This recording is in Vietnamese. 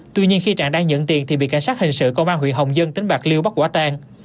tuy nhiên khi trạng đang nhận tiền thì bị cảnh sát hình sự công an huyện hồng dân tỉnh bạc liêu bắt quả tang